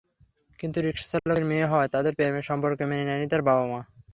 কিন্তু রিকশাচালকের মেয়ে হওয়ায় তাঁদের প্রেমের সম্পর্ক মেনে নেননি তাঁর মা-বাবা।